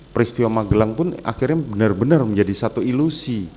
peristiwa magelang pun akhirnya benar benar menjadi satu ilusi